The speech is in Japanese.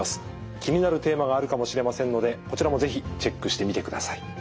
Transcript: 気になるテーマがあるかもしれませんのでこちらも是非チェックしてみてください。